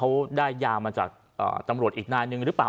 เขาได้ยามาจากตำรวจอีกนายหนึ่งหรือเปล่า